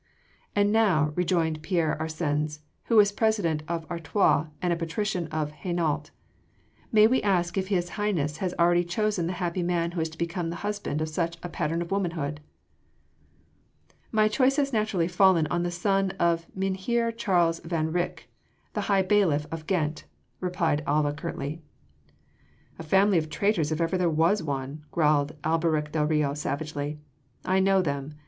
"And," now rejoined Pierre Arsens, who was president of Artois and a patrician of Hainault, "may we ask if His Highness has already chosen the happy man who is to become the husband of such a pattern of womanhood?" "My choice has naturally fallen on the son of Mynheer Charles van Rycke, the High Bailiff of Ghent," replied Alva curtly. "A family of traitors if ever there was one," growled Alberic del Rio savagely. "I know them.